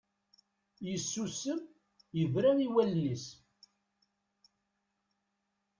Yessusem, yebra i wallen-is.